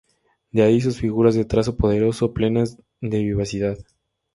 De ahí sus figuras de trazo poderoso, plenas de vivacidad.